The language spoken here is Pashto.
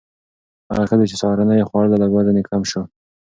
هغه ښځې چې سهارنۍ یې خوړله، لږ وزن یې کم شو.